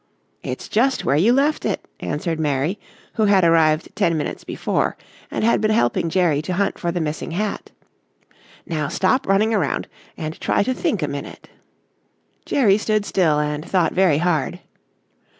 "It's just where you left it," answered Mary, who had arrived ten minutes before and had been helping Jerry hunt for the missing hat. "Now stop running around and try to think a minute." Jerry stood still and thought very hard.